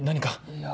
いや。